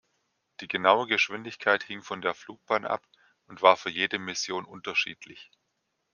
Die genaue Geschwindigkeit hing von der Flugbahn ab und war für jede Mission unterschiedlich.